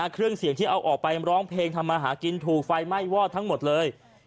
เครื่องเสียงที่เอาออกไปร้องเพลงทำมาหากินถูกไฟไหม้วอดทั้งหมดเลย